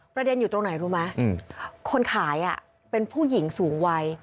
อยู่ตรงไหนรู้ไหมคนขายเป็นผู้หญิงสูงวัย